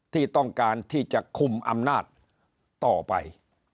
ที่ต้องการที่จะคุมอำนาจต่อไป